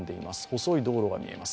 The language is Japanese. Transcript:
細い道路が見えます。